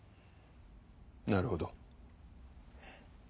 なるほど。